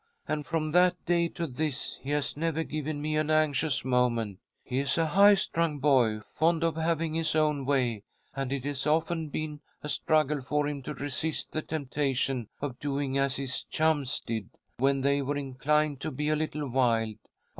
And from that day to this he has never given me an anxious moment. He is a high strung boy, fond of having his own way, and it has often been a struggle for him to resist the temptation of doing as his chums did, when they were inclined to be a little wild.